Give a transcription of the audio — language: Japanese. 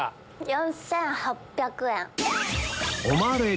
４８００円。